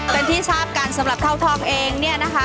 เป็นที่ทราบกันสำหรับเท่าทองเองเนี่ยนะคะ